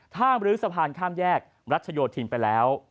ถ้ามรื้อสะพานข้ามแยกรัชโยธินไปแล้ว